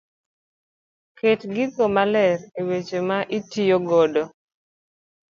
Ket gigo malero weche ma itiyo godo.